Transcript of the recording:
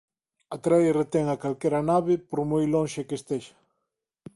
atrae e retén a calquera nave, por moi lonxe que estea